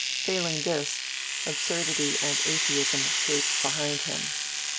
Failing this, absurdity and atheism gape behind him.